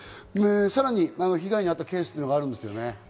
さらに被害にあったケースがあるんですよね。